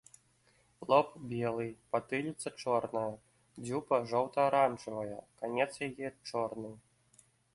Лоб белы, патыліца чорная, дзюба жоўта-аранжавая, канец яе чорны.